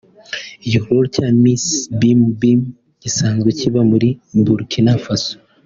Igikorwa cya “Miss Bim Bim” gisanzwe kiba muri Burkina Faso